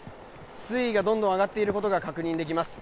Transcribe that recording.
水位がどんどん上がっていることが確認できます。